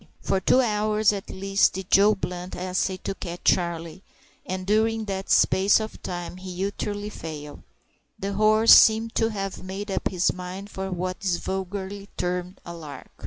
For two hours at least did Joe Blunt essay to catch Charlie, and during that space of time he utterly failed The horse seemed to have made up his mind for what is vulgarly termed "a lark."